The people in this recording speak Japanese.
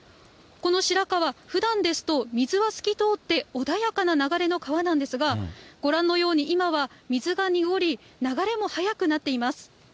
この白川、ふだんですと水は透き通って穏やかな流れの川なんですが、ご覧のように、今は水が濁り、流れも速くなっています。